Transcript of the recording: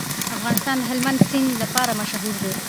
افغانستان د هلمند سیند لپاره مشهور دی.